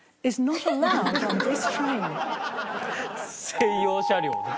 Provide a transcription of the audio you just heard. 専用車両ね。